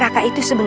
aku mau ke kamar